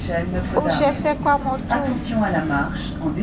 Ushe see kwa motu.